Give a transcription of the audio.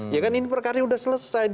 ya kan ini perkara ini sudah selesai